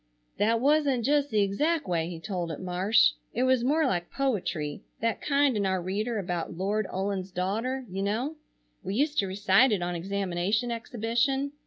"That wasn't just the exact way he told it, Marsh, it was more like poetry, that kind in our reader about "Lord Ullin's daughter"—you know. We used to recite it on examination exhibition.